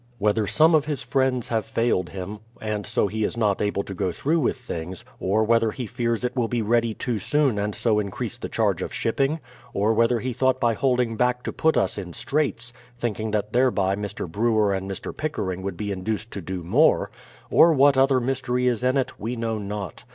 Whether some of his friends have failed him, and so he is not able to go through with things ; or whether he fears it Avill be ready too soon and so increase the charge of shipping; or whether he thought by holding back to put us in straits, thinking that thereby Mr. Brewer and Mr. Pickering would be induced to do more; or what other mj'stery is in it, we know not.